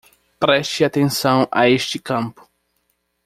Preste atenção a este campo